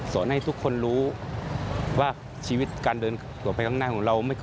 ให้ทุกคนรู้ว่าชีวิตการเดินต่อไปข้างหน้าของเรา